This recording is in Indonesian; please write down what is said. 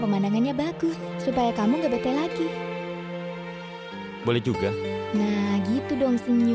maka dari itu